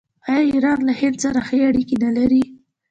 آیا ایران له هند سره ښه اړیکې نلري؟